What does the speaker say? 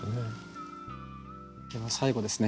では最後ですね